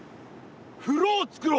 風呂をつくろう！